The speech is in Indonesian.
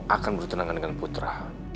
akan bertunangan dengan putra